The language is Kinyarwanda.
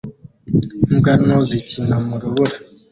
Imbwa nto zikina mu rubura